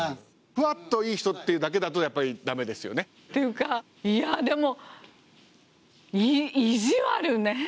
ふわっといい人っていうだけだとやっぱり駄目ですよね。というかいやでも意地悪ねえ。